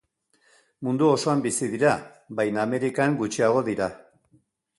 Mundu osoan bizi dira, baina Amerikan gutxiago dira.